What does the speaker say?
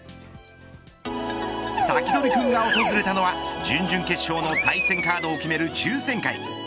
サキドリくんが訪れたのは準々決勝の対戦カードを決める抽選会。